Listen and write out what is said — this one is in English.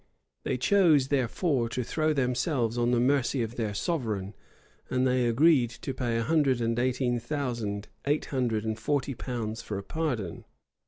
They chose, therefore, to throw themselves on the mercy of their sovereign; and they agreed to pay a hundred and eighteen thousand eight hundred and forty pounds for a pardon.